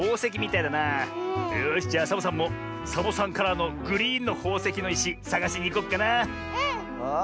よしじゃサボさんもサボさんカラーのグリーンのほうせきのいしさがしにいこっかなあ。